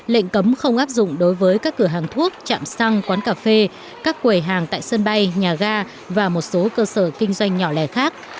lệnh cấm không áp dụng đối với các cửa hàng thuốc chạm xăng quán cà phê các quầy hàng tại sân bay nhà ga và một số cơ sở kinh doanh nhỏ lẻ khác